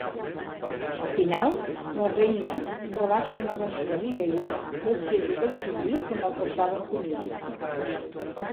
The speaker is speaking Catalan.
Al final, la reina rebaixa novament Abigail després de descobrir que maltractava un conill.